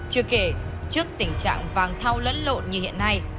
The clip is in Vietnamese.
chưa kể trước tình trạng vàng thao lẫn lộn như hiện nay